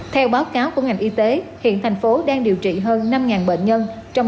theo báo cáo của ngành y tế hiện thành phố đang điều trị hơn năm bệnh nhân